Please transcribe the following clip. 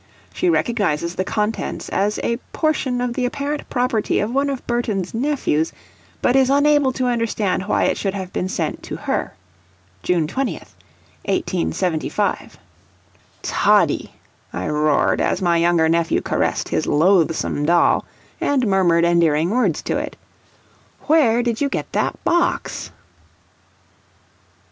She recognizes the contents as a portion of the apparent property of one of Burton's nephews, but is unable to understand why it should have been sent to her. "June 20, 1875." "Toddie," I roared, as my younger nephew caressed his loathsome doll, and murmured endearing words to it, "where did you get that box?"